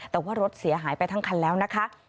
แต่ว่ารถเสียหายไปทั้งคันแล้วนะคะ